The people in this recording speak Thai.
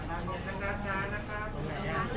วันนี้ขอบคุณมากนะครับ